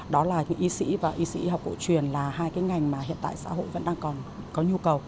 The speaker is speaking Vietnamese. đó là y sĩ và y sĩ học cổ truyền là hai ngành mà hiện tại xã hội vẫn đang còn có nhu cầu